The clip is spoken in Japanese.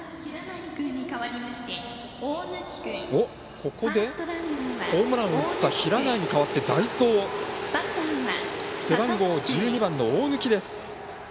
ここで、ホームランを打った平内に代わって代走、背番号１２番の大貫です。